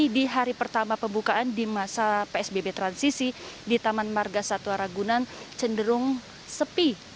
di taman margasatwa ragunan cenderung sepi